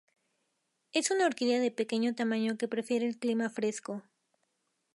Es una orquídea de pequeño tamaño, que prefiere el clima fresco.